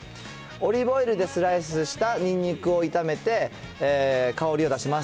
オリーブオイルでスライスしたニンニクを炒めて香りを出します。